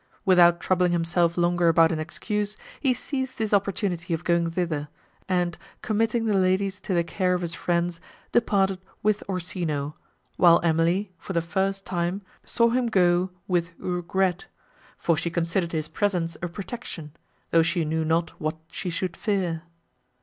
Without troubling himself longer about an excuse, he seized this opportunity of going thither, and, committing the ladies to the care of his friends, departed with Orsino, while Emily, for the first time, saw him go with regret; for she considered his presence a protection, though she knew not what she should fear.